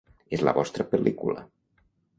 És la vostra pel·lícula.